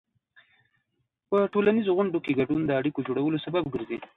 په ټولنیزو غونډو کې ګډون د اړیکو جوړولو سبب ګرځي.